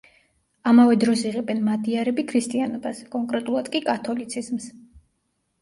ამავე დროს იღებენ მადიარები ქრისტიანობას, კონკრეტულად კი, კათოლიციზმს.